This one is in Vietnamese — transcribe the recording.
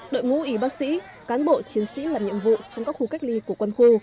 đội ngũ y bác sĩ cán bộ chiến sĩ làm nhiệm vụ trong các khu cách ly của quân khu